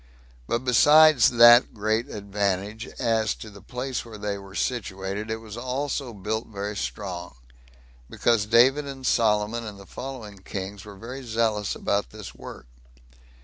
But besides that great advantage, as to the place where they were situated, it was also built very strong; because David and Solomon, and the following kings, were very zealous about this work.